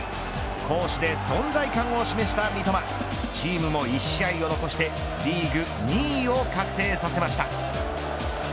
攻守で存在感を示した三笘チームも１試合を残してリーグ２位を確定させました。